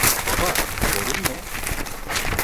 Baba, sorun ne?